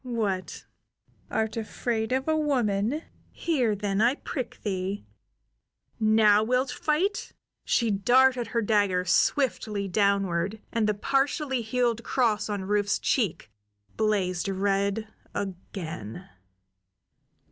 "What, art afraid of a woman? Here, then, I prick thee! Now wilt fight?" She darted her dagger swiftly downward, and the partially healed cross on Rufe's cheek blazed red again.